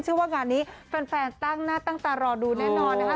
ว่างานนี้แฟนตั้งหน้าตั้งตารอดูแน่นอนนะคะ